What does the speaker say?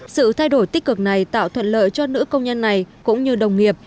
sự thay đổi tích cực này tạo thuận lợi cho nữ công nhân này cũng như đồng nghiệp